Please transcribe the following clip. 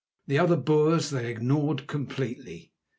The other Boers they ignored completely.